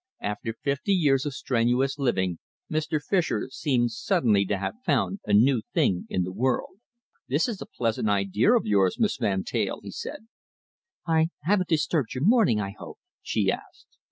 After fifty years of strenuous living, Mr. Fischer seemed suddenly to have found a new thing in the world. "This is a pleasant idea of yours, Miss Van Teyl," he said. "I haven't disturbed your morning, I hope?" she asked.